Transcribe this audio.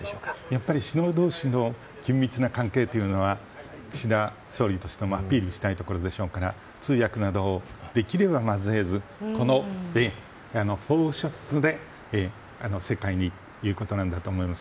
やっぱり首脳同士の緊密な関係は岸田総理としてもアピールしたいところでしょうから通訳などをできれば交えず４ショットで世界にということなんだと思います。